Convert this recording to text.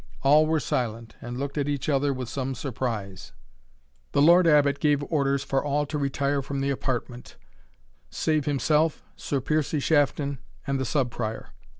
All were silent, and looked on each other with some surprise. The Lord Abbot gave orders for all to retire from the apartment, save himself, Sir Piercie Shafton, and the Sub Prior.